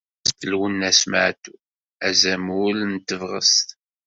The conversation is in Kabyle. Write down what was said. Lwennas Matoub azamul n tebɣest.